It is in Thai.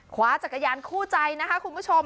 คว้าจักรยานคู่ใจนะคะคุณผู้ชม